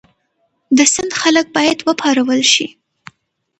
د سند خلک باید وپارول شي.